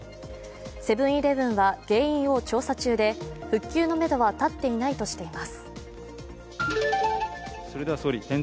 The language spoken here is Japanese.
セブン−イレブンは原因を調査中で復旧のめどは立っていないとしています。